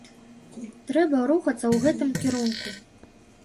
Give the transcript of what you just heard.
Трэба рухацца ў гэтым кірунку.